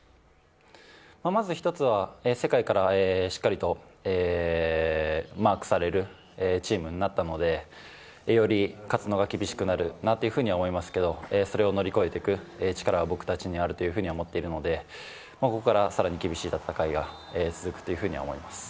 まず１つは、世界からしっかりとマークされるチームになったので、より勝つのが厳しくなるなと思いますけどそれを乗り越えていく力が僕たちにあると思っているので、ここから更に厳しい戦いが続くというふうに思います。